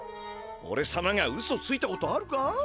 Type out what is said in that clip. おれさまがウソついたことあるか？